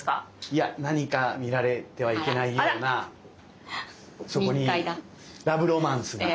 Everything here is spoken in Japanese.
いや何か見られてはいけないようなそこにラブロマンスが。